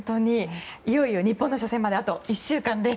いよいよ日本の初戦まであと１週間です。